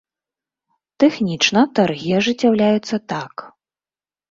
Тэхнічна таргі ажыццяўляюцца так.